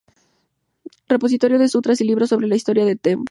Repositorio de sutras y libros sobre la historia del templo.